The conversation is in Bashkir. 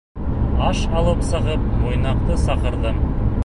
Аш алып сығып, Муйнаҡты саҡырҙым.